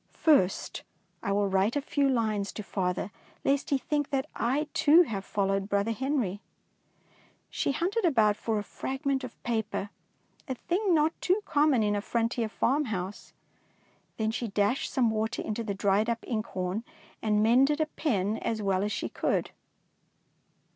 First must I write a few lines 245 DEEDS OF DAKING to father, lest he think that I too have followed brother Henry/^ She hunted about for a fragment of paper, — a thing not too common in a frontier farmhouse, — then she dashed some water into the dried up ink horn, and mended a pen as well as she could.